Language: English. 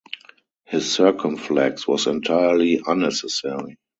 His circumflex was entirely unnecessary.